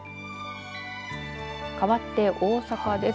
かわって大阪です。